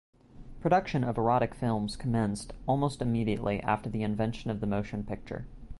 Production of erotic films commenced almost immediately after the invention of the motion picture.